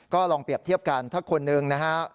ก็ลองเปรียบเทียบกันถ้าคนหนึ่งนะฮะ